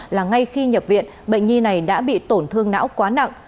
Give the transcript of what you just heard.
là ngay khi nhập viện bệnh nhi này đã bị tổn thương não quá nặng